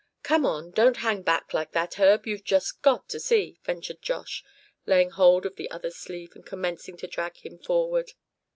"Come on, don't hang back like that, Herb; you've just got to see!" ventured Josh, laying hold of the other's sleeve, and commencing to drag him forward.